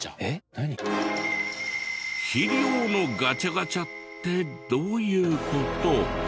肥料のガチャガチャってどういう事？